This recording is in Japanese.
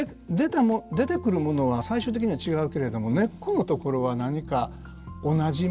出てくるものは最終的には違うけれども根っこのところは何か同じものがある。